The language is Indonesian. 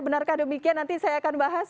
benarkah demikian nanti saya akan bahas